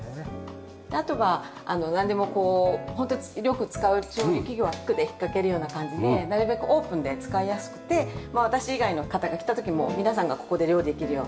あとはなんでもこうホントよく使う調理器具はフックで引っかけるような感じでなるべくオープンで使いやすくて私以外の方が来た時も皆さんがここで料理できるような。